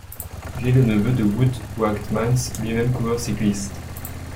Il est le neveu de Wout Wagtmans, lui-même coureur cycliste.